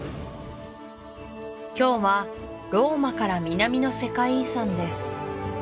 今日はローマから南の世界遺産です